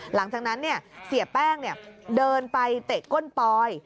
หลังจากนั้นเสียแป้งเดินไปเตะก้นปอย